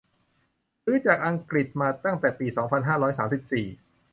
ซื้อจากอังกฤษมาตั้งแต่ปี สองพันห้าร้อยสามสิบสี่